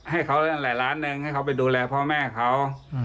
ให้เขาละหลานหนึ่งให้เขาไปดูแลพ่อแม่เขา